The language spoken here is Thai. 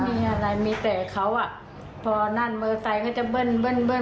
ไม่ไม่มีอะไรมีแต่เขาอ่ะพอนั่นเมอร์ไซค์เขาจะเบิ้น